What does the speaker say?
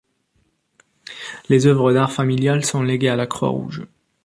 Les œuvres d'art familiales sont léguées à la Croix-Rouge.